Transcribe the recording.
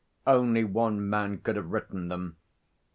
Only one man could have written them.